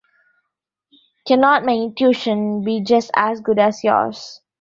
Cannot my intuition be just as good as yours?